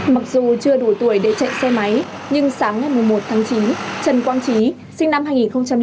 mặc dù chưa đủ tuổi để chạy xe máy nhưng sáng ngày một mươi một tháng chín trần quang trí sinh năm hai nghìn bốn